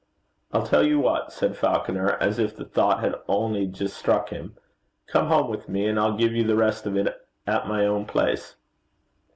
'I'll tell you what,' said Falconer, as if the thought had only just struck him 'come home with me, and I'll give you the rest of it at my own place.'